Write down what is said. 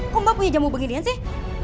kok mbak punya jamu beginian sih